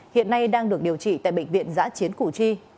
hiện nay đang được điều trị tại bệnh viện giã chiến củ chi